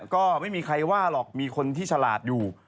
ก็ไม่มีใครว่าหรอกมีคนที่ฉลาดอยู่